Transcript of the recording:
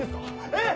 えっ？